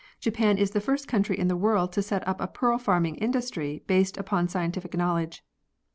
Japan is the first country in the world to set up a pearl farming industry based upon scientific knowledge.